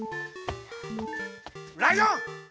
ライオン！